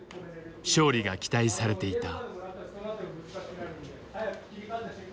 勝利が期待されていた。